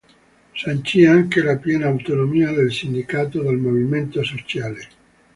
Sancì anche la piena autonomia del sindacato dal Movimento Sociale.